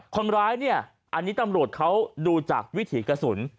คนร้ายเนี่ยอันนี้ตำรวจเขาดูจากวิถีกระสุน